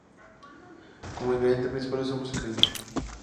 Como ingrediente principal usamos, el cariño.